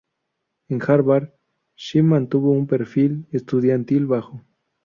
En Harvard, Xi mantuvo un perfil estudiantil bajo.